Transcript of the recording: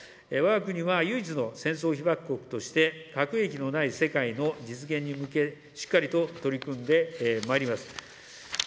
わが国は唯一の戦争被爆国として、核兵器のない世界の実現に向け、しっかりと取り組んでまいります。